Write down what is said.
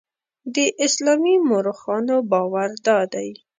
د اسلامي مورخانو باور دادی.